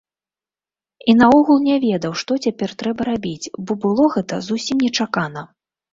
І наогул не ведаў, што цяпер трэба рабіць, бо было гэта зусім нечакана.